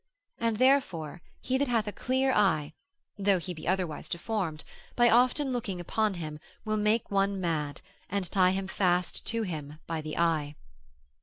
And therefore he that hath a clear eye, though he be otherwise deformed, by often looking upon him, will make one mad, and tie him fast to him by the eye.